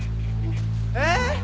えっ！？